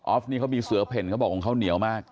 นี่เขามีเสือเพ่นเขาบอกว่าเขาเหนียวมาก